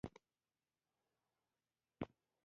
په ټولنه کي اصلاحاتو ته ضرورت سته.